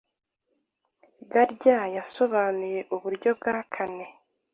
Gary yasobanuye uburyo bwa kane